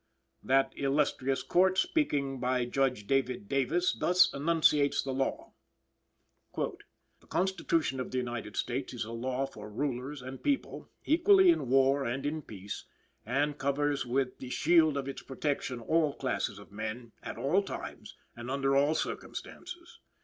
That illustrious Court, speaking by Judge David Davis, thus enunciates the law: "The Constitution of the United States is a law for rulers and people, equally in war and in peace, and covers with the shield of its protection all classes of men, at all times, and under all circumstances.